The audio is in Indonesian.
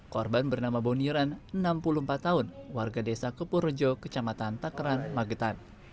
korban bernama boniran enam puluh empat tahun warga desa kepurejo kecamatan takeran magetan